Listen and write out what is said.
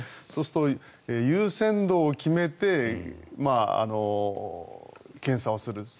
そうすると、優先度を決めて検査をする。